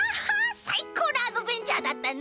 さいこうなアドベンチャーだったね！